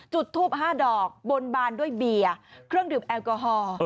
จุดทูป๕ดอกบนบานด้วยเบียร์เครื่องดื่มแอลกอฮอล์